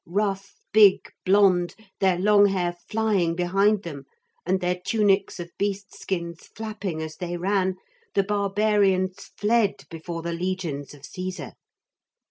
Rough, big, blond, their long hair flying behind them, and their tunics of beast skins flapping as they ran, the barbarians fled before the legions of Caesar.